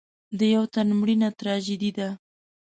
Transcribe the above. د یو تن مړینه تراژیدي ده.